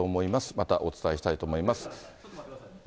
またお伝えしたいと思います。